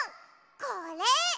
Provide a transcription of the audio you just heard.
これ！